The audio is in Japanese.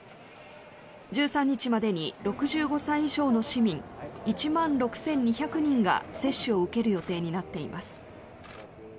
１３日までに６５歳以上の市民１万６２００人が接種を受ける予定になっています。